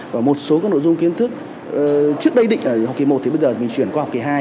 và một số các nội dung kiến thức trước đây định ở học kỳ một thì bây giờ mình chuyển qua học kỳ hai